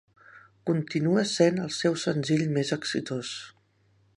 Continua sent el seu senzill més exitós.